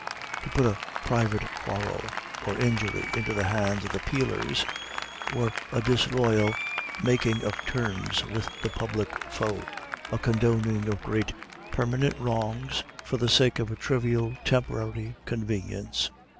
To put a private quarrel or injury into the hands of the peelers were a disloyal making of terms with the public foe; a condoning of great permanent wrongs for the sake of a trivial temporary convenience.